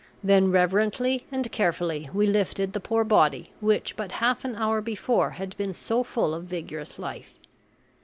Then reverently and carefully we lifted the poor body which but half an hour before had been so full of vigorous life.